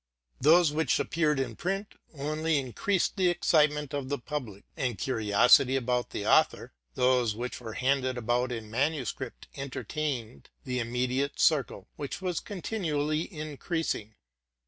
Those which appeared in print only in creased the excitement of the public, and curiosity about the author: those which were handed about in manuscript enter tained the immediate circle, which was continually increasing.